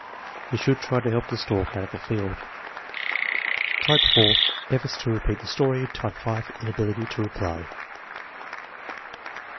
"He should try to help the stork out of the field." Type (4), efforts to repeat the story. Type (5), inability to reply.